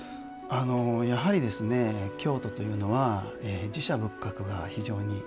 やはりですね京都というのは寺社仏閣が非常に多いですよね。